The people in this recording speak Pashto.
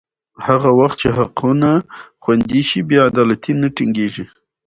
هغه وخت چې حقونه خوندي شي، بې عدالتي نه ټینګېږي.